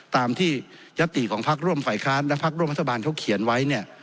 ตามที่ยัตติของพักร่วมฝ่ายค้านและพักร่วมรัฐบาลเขาเขียนไว้เนี่ย